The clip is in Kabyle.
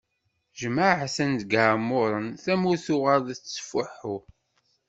Jemɛen-ten d iɛemmuṛen, tamurt tuɣal tettfuḥu.